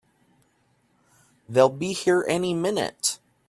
They'll be here any minute!